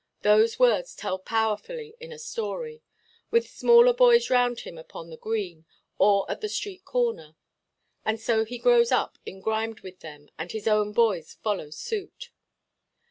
Those words tell powerfully in a story, with smaller boys round him upon the green, or at the street–corner. And so he grows up engrimed with them, and his own boys follow suit.